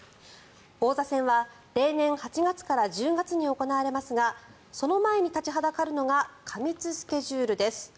王座戦は例年８月から１０月に行われますがその前に立ちはだかるのが過密スケジュールです。